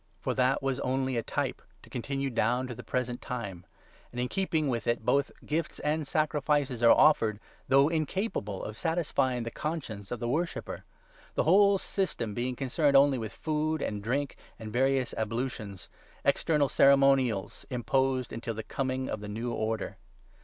For that was only a type, to con 9 tinue down to the present time ; and, in keeping with it, both gifts and sacrifices are offered, though incapable of satisfying the conscience of the worshipper ; the whole system being 10 concerned only with food and drink and various ablutions — external ceremonials imposed until the coming of the New Order.